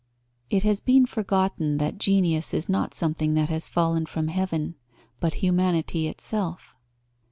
It has been forgotten that genius is not something that has fallen from heaven, but humanity itself.